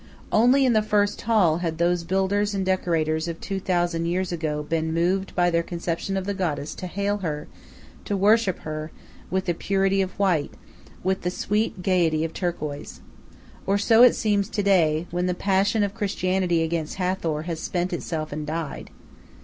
Only in the first hall had those builders and decorators of two thousand years ago been moved by their conception of the goddess to hail her, to worship her, with the purity of white, with the sweet gaiety of turquoise. Or so it seems to day, when the passion of Christianity against Hathor has spent itself and died.